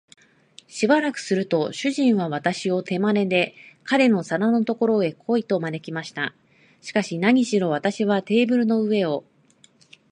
しばらくすると、主人は私を手まねで、彼の皿のところへ来い、と招きました。しかし、なにしろ私はテーブルの上を